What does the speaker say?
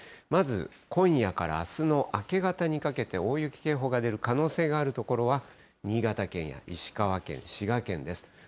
まず、今夜からあすの明け方にかけて、大雪警報が出る可能性がある所は、新潟県や石川県、滋賀県です。